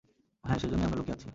হ্যাঁ, সেজন্যই আমরা লুকিয়ে আছি।